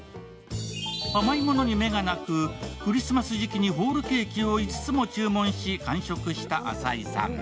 甘いものに目がなくクリスマス時期にホールケーキを５つも注文し、完食した朝井さん。